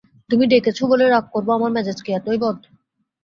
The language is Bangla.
তুমি ডেকেছ বলে রাগ করব, আমার মেজাজ কি এতই বদ।